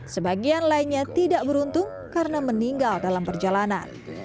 sebagian lainnya tidak beruntung karena meninggal dalam perjalanan